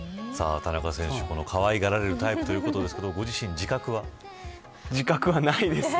田中選手、このかわいがられるタイプということですけれど自覚はないですね。